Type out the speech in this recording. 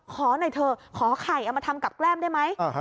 ขอหน่อยเถอะขอไข่เอามาทำกับแกล้มได้ไหม